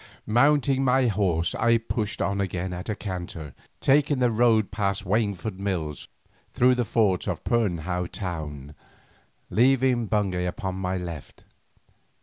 Mounting my horse I pushed on again at a canter, taking the road past Waingford Mills through the fords and Pirnhow town, leaving Bungay upon my left.